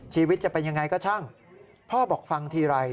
ชีวิตจะเป็นยังไงก็ช่างพ่อบอกฟังทีไร